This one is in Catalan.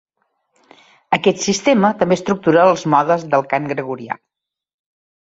Aquest sistema també estructura els modes del Cant gregorià.